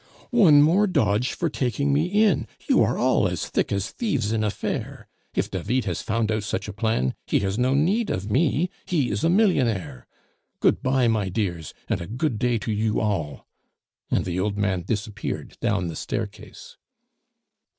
"One more dodge for taking me in! You are all as thick as thieves in a fair. If David has found out such a plan, he has no need of me he is a millionaire! Good bye, my dears, and a good day to you all," and the old man disappeared down the staircase.